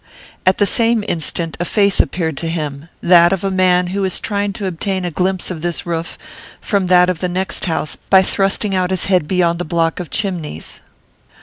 At the same instant a face appeared to him that of a man who was trying to obtain a glimpse of this roof from that of the next house by thrusting out his head beyond the block of chimneys.